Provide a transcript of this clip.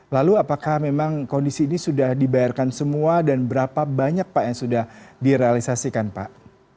lalu apakah memang kondisi ini sudah dibayarkan semua dan berapa banyak pak yang sudah direalisasikan pak